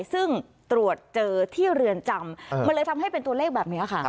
ซึ่งตรวจเจอที่เรือนจำมันเลยทำให้เป็นตัวเลขแบบนี้ค่ะ